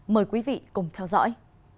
mời quý vị cùng theo dõi